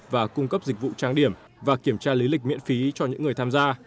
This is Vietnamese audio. và cung cấp dịch vụ trang điểm và kiểm tra lý lịch miễn phí cho những người tham gia